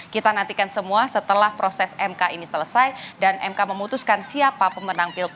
kita nantikan semua setelah proses mk ini selesai dan mk memutuskan siapa pemenang pilpres